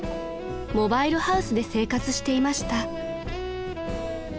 ［モバイルハウスで生活していました］